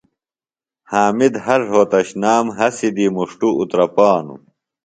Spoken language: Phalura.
حامد ہر رھوتشنام ہسیۡ دی مُݜٹوۡ اُترپانوۡ۔